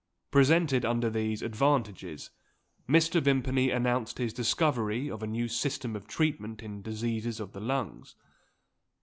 Presented under these advantages, Mr. Vimpany announced his discovery of a new system of treatment in diseases of the lungs.